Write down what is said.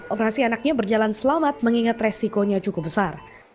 operasi anaknya berjalan selamat mengingat resikonya cukup besar